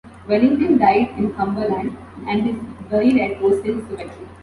Wellington died in Cumberland, and is buried at Rose Hill Cemetery.